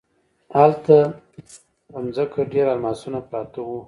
هلته په ځمکه ډیر الماسونه پراته وو.